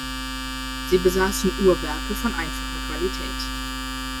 Sie besaßen Uhrwerke von einfacher Qualität.